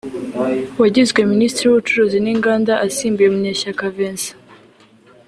wagizwe Minisitiri w’Ubucuruzi n‘Inganda asimbuye Munyeshyaka Vincent